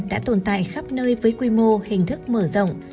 đã tồn tại khắp nơi với quy mô hình thức mở rộng